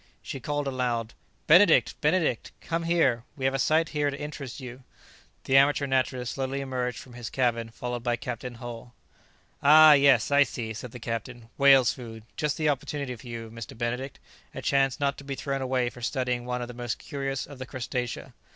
She called aloud, "Benedict! Benedict! come here! we have a sight here to interest you." The amateur naturalist slowly emerged from his cabin followed by Captain Hull. "Ah! yes, I see!" said the captain; "whales' food; just the opportunity for you, Mr. Benedict; a chance not to be thrown away for studying one of the most curious of the crustacea."